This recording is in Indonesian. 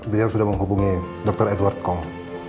beliau sudah menghubungi dr edward kong